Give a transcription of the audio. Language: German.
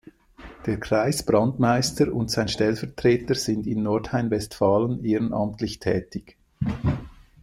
Der Kreisbrandmeister und sein Stellvertreter sind in Nordrhein-Westfalen ehrenamtlich tätig.